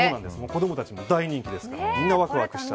子供たちに大人気ですから。